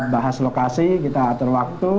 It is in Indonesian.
bahas lokasi kita atur waktu